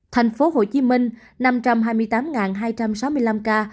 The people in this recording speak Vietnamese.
thành phố hồ chí minh năm trăm hai mươi tám hai trăm sáu mươi năm ca